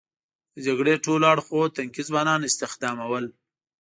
د جګړې ټولو اړخونو تنکي ځوانان استخدامول.